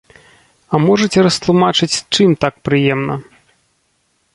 А можаце растлумачыць чым так прыемна?